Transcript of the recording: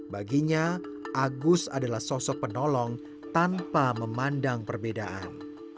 baginya agus adalah sosok penolong tanpa memandang perbedaan